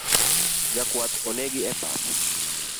Jakwath onegi epap